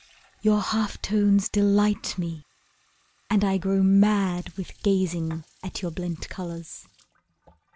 Your half tones delight me, And I grow mad with gazing At your blent colours.